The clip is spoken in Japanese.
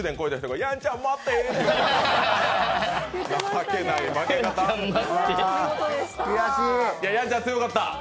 やんちゃん強かった。